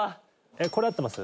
えっこれ合ってます？